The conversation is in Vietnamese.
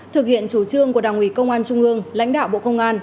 thực hiện chủ trương của đảng ủy công an trung ương lãnh đạo bộ công an